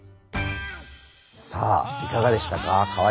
さあいかがでしたか？